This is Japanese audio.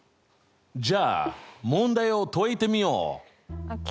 じゃあ問題を解いてみよう！ＯＫ！